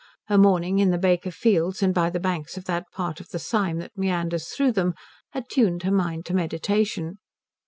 Her morning in the Baker fields and by the banks of that part of the Sym that meanders through them had tuned her mind to meditation.